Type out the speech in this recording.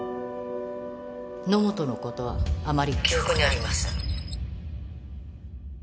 野本の事はあまり記憶にありません。